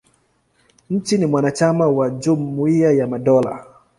Nchi ni mwanachama wa Jumuia ya Madola.